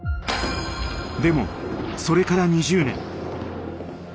でもそれから２０年。